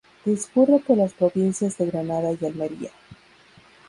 Discurre por las provincias de Granada y Almería.